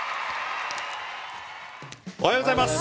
おはようございます。